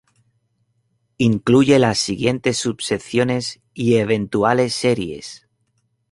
Incluye las siguientes subsecciones y eventuales series.